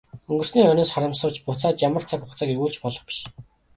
Өнгөрсний хойноос харамсавч буцаад ямар цаг хугацааг эргүүлж болох биш.